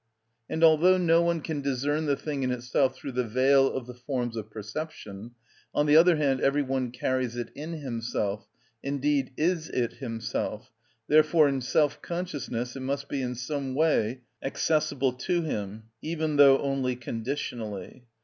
And although no one can discern the thing in itself through the veil of the forms of perception, on the other hand every one carries it in himself, indeed is it himself; therefore in self consciousness it must be in some way accessible to him, even though only conditionally.